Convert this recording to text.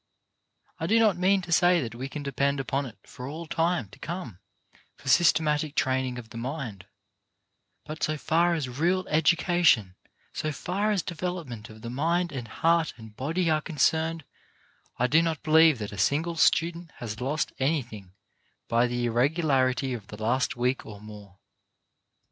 I do not mean to say that we can depend upon it for all time to come for syste matic training of the mind, but so far as real educa tion, so far as development of the mind and heart and body are concerned, I do not believe that a single student has lost anything by the irregular ity of the last week or more.